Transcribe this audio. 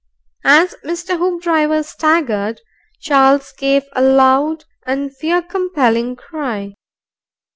As Mr. Hoopdriver staggered, Charles gave a loud and fear compelling cry.